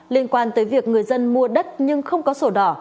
liên quan tới việc người dân mua đất nhưng không có sổ đỏ